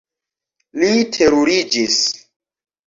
Li teruriĝis.